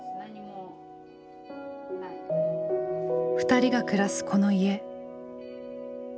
２人が暮らすこの家。